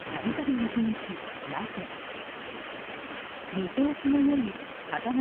見通しの良い片側